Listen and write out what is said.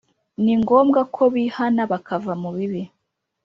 ni ngombwa ko bihana bakava mu bibi